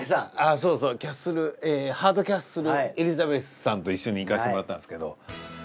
そうそうキャッスルハードキャッスルエリザベスさんと一緒に行かせてもらったんですけど。